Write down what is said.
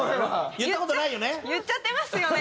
言った事ないよね？